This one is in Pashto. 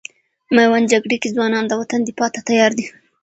میوند جګړې کې ځوانان د وطن دفاع ته تیار دي.